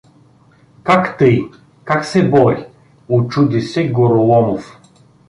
— Как тъй? Как се бори? — учуди се Гороломов.